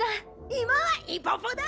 今はイポポだ！